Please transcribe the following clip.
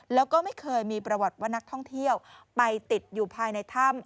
แล้วก็ไม่เคยมีประวัติว่านักท่องเที่ยวไปติดอยู่ภายในถ้ำ